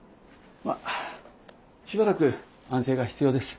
まあしばらく安静が必要です。